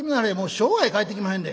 生涯帰ってきまへんで」。